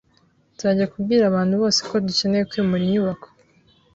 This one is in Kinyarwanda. Nzajya kubwira abantu bose ko dukeneye kwimura inyubako